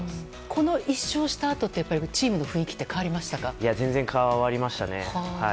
この１勝したあとってやっぱり、チームの雰囲気は全然変わりましたね。